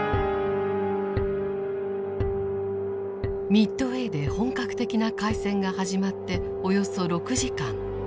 ミッドウェーで本格的な海戦が始まっておよそ６時間。